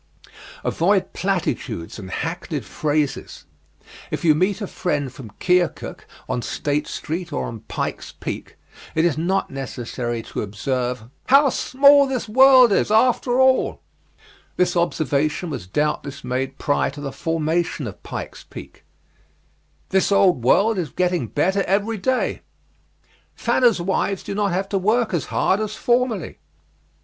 Avoid platitudes and hackneyed phrases. If you meet a friend from Keokuk on State Street or on Pike's Peak, it is not necessary to observe: "How small this world is after all!" This observation was doubtless made prior to the formation of Pike's Peak. "This old world is getting better every day." "Fanner's wives do not have to work as hard as formerly."